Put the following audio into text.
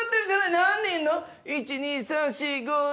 何人いんの？